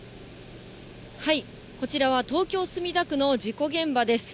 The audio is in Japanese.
こちらは東京・墨田区の事故現場です。